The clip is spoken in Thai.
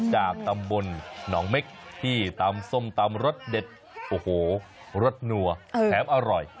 จากตำบลหนองเม็กที่ตำส้มตำรสเด็ดโอ้โหรสนัวแถมอร่อย